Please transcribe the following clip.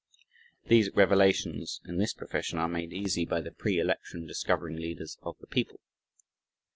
These revelations, in this profession are made easy by the pre election discovering leaders of the people.